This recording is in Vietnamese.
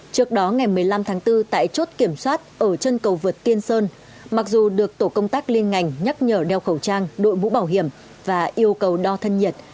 trước đó ngày một mươi năm tháng bốn tại chốt kiểm soát ở chân cầu vượt tiên sơn mặc dù được tổ công tác liên ngành nhắc nhở đeo khẩu trang đội mũ bảo hiểm và yêu cầu đo thân nhiệt